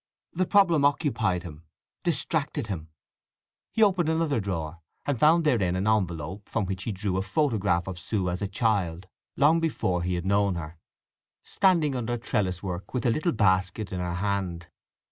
The problem occupied him, distracted him. He opened another drawer, and found therein an envelope, from which he drew a photograph of Sue as a child, long before he had known her, standing under trellis work with a little basket in her hand.